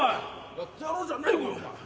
やってやろうじゃねえかお前。